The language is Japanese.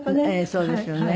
そうですよね。